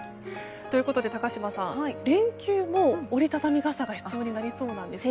高島さん、連休も折り畳み傘が必要になりそうなんですね。